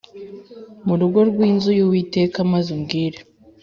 mu rugo rw inzu y Uwiteka maze ubwire